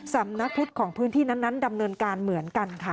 สำนักพุทธของพื้นที่นั้นดำเนินการเหมือนกันค่ะ